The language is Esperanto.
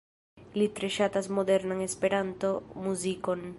Li tre ŝatas modernan Esperanto-muzikon.